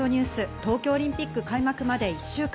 東京オリンピック開幕まで１週間。